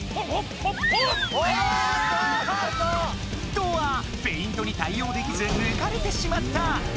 トアフェイントにたいおうできずぬかれてしまった！